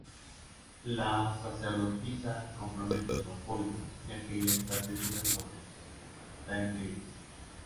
La sacerdotisa compromete su apoyo, ya que ella está segura sobre Daenerys.